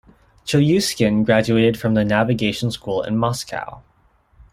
Chelyuskin graduated from the Navigation School in Moscow.